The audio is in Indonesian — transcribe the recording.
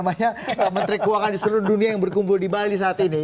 mentre keluarga dan barguniong yang berkumpul di bali saat ini